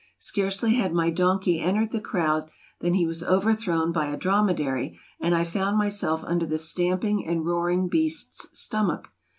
Scarcely had my donkey entered the crowd than he was overthrown by a dromedary, and I found my self under the stamping and roaring beast's stomach.